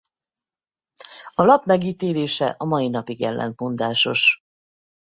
A lap megítélése a mai napig ellentmondásos.